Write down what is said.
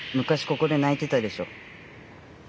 ここでないてたでしょ。